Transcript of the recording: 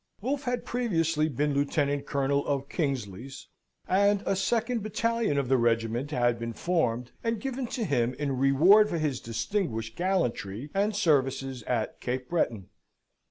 Wolfe had previously been Lieutenant Colonel of Kingsley's, and a second battalion of the regiment had been formed and given to him in reward for his distinguished gallantry and services at Cape Breton.